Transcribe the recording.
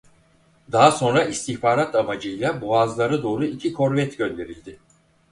Daha sonra istihbarat amacıyla Boğazlara doğru iki korvet gönderildi.